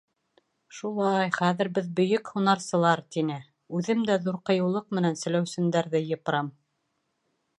— Шулай, хәҙер беҙ «бөйөк» һунарсылар, — тине — Үҙем дә ҙур ҡыйыулыҡ менән селәүсендәрҙе йыпырам.